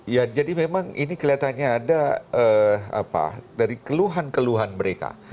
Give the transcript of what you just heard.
ya jadi memang ini kelihatannya ada dari keluhan keluhan mereka